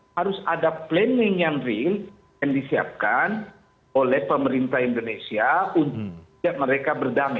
harus ada planning yang real yang disiapkan oleh pemerintah indonesia untuk mereka berdamai